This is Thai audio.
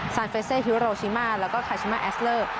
เฟเซฮิวโรชิมาแล้วก็คาชิมาแอสเลอร์